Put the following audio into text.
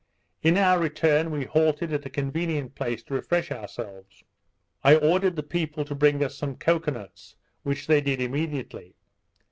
In our return we halted at a convenient place to refresh ourselves. I ordered the people to bring us some cocoa nuts, which they did immediately.